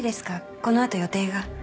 このあと予定が。